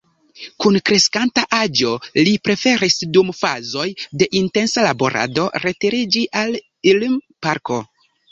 Kun kreskanta aĝo li preferis dum fazoj de intensa laborado retiriĝi al Ilm-parko.